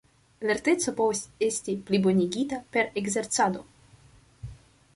Lerteco povas esti plibonigita per ekzercado.